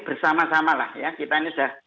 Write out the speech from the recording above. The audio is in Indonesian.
bersama sama lah ya kita ini sudah